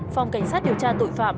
phòng cảnh sát điều tra tội phạm